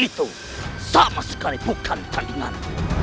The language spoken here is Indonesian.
itu sama sekali bukan kalingan